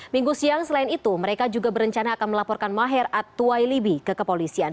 minggu siang selain itu mereka juga berencana akan melaporkan maher atuwailibi ke kepolisian